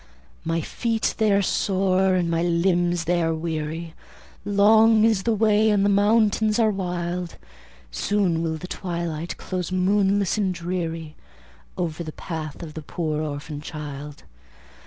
"My feet they are sore, and my limbs they are weary; Long is the way, and the mountains are wild; Soon will the twilight close moonless and dreary Over the path of the poor orphan child.